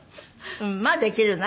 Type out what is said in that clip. まあできるな。